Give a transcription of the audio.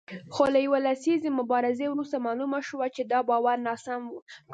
خو له یوې لسیزې مبارزې وروسته معلومه شوه چې دا باور ناسم و